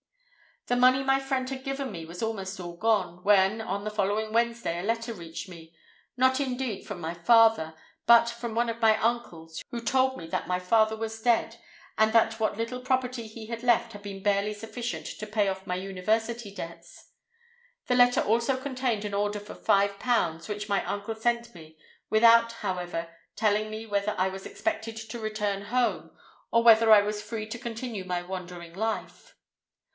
"The money my friend had given me was almost all gone, when on the following Wednesday a letter reached me, not indeed from my father, but from one of my uncles, who told me that my father was dead, and that what little property he left had been barely sufficient to pay off my university debts. The letter also contained an order for five pounds, which my uncle sent me, without, however, telling me whether I was expected to return home, or whether I was left free to continue my wandering life.